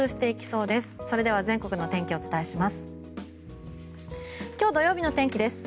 それでは全国の天気をお伝えします。